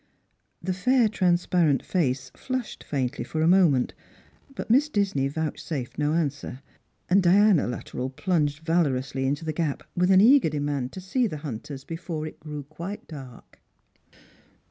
The fair transparent face flushed faintly for a moment, but Miss Disney vouchsafed no answer; and Diana Luttrell plunged valorously into the gap with an eager demand to see the hunters before it grew quite dark.